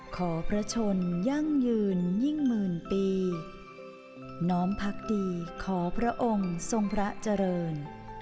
ขอพระชนยั่งยืนยิ่งหมื่นปีน้อมพักดีขอพระองค์ทรงพระเจริญ